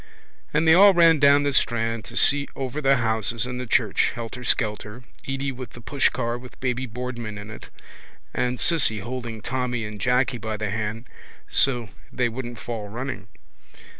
And they all ran down the strand to see over the houses and the church, helterskelter, Edy with the pushcar with baby Boardman in it and Cissy holding Tommy and Jacky by the hand so they wouldn't fall running.